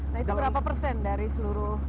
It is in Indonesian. nah itu berapa persen dari seluruh